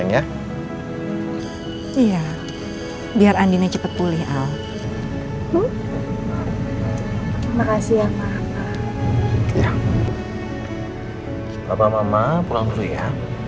ya biar andi cepet pulih al makasih ya papa mama pulang dulu ya